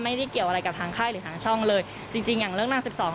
ไม่ได้เกี่ยวอะไรกับทางค่ายหรือทางช่องเลยจริงจริงอย่างเรื่องทางสิบสอง